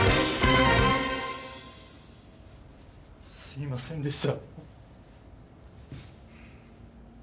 すみませんでした。